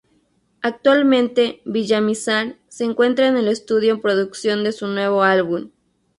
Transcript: Actualmente, Villamizar se encuentra en el estudio en producción de su nuevo álbum.